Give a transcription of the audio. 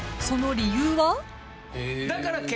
［その理由は？］